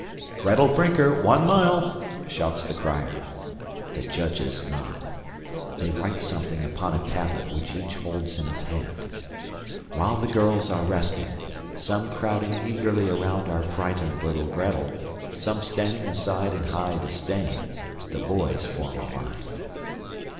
"Gretel Brinker, one mile!" shouts the crier. The judges nod. They write something upon a tablet which each holds in his hand. While the girls are resting some crowding eagerly around our frightened little Gretel, some standing aside in high disdain the boys form a line.